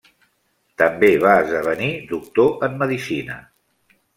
També va esdevenir doctor en medicina.